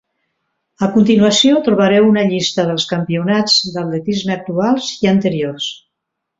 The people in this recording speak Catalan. A continuació trobareu una llista dels campionats d'atletisme actuals i anteriors.